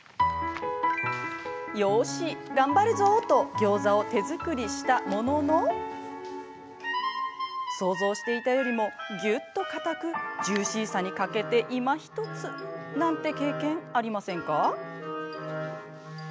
よし頑張るぞぉ！とギョーザを手作りしたものの想像していたよりもぎゅっとかたくジューシーさに欠けていまひとつなんて経験ありませんか？